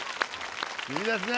いいですね。